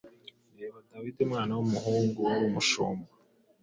Reba Dawidi umwana w’umuhungu wari umushumba,